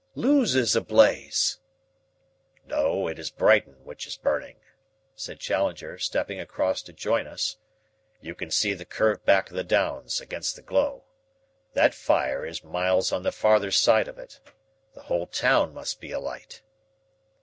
"Lewes is ablaze!" "No, it is Brighton which is burning," said Challenger, stepping across to join us. "You can see the curved back of the downs against the glow. That fire is miles on the farther side of it. The whole town must be alight."